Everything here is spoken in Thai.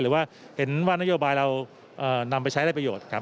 หรือว่าเห็นว่านโยบายเรานำไปใช้ได้ประโยชน์ครับ